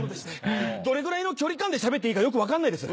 どれぐらいの距離感でしゃべっていいか分かんないです。